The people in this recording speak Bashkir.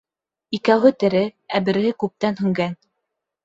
Икәүһе тере, ә береһе күптән һүнгән.